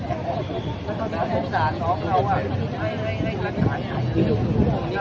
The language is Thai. และก็จะรักษาน้องเขาอ่ะ